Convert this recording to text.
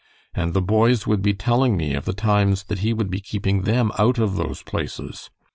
And the boys would be telling me of the times that he would be keeping them out of those places.